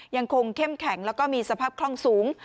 ยังคงเข้มแข็งแล้วก็มีสภาพคล่องสูง